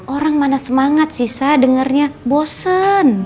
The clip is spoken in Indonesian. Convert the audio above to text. orang mana semangat sih sa dengernya bosen